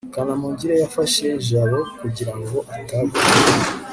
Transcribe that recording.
kanamugire yafashe jabo kugira ngo atagwa